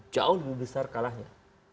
jauh lebih besar kalahnya